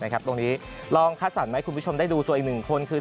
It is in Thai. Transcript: ตรงนี้ลองคัดสรรค์ไหมคุณผู้ชมได้ดูส่วนอีก๑คนคือ